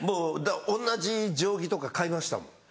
同じ定規とか買いましたもん。